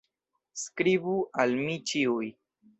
Skribu al mi ĉiuj!